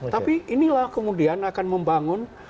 tapi inilah kemudian akan membangun